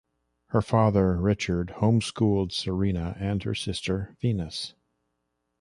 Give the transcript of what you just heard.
Her father, Richard, home-schooled Serena and her sister Venus.